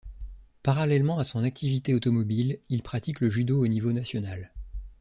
Parallèlement à son activité automobile, il pratique le judo au niveau national.